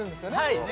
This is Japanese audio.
はい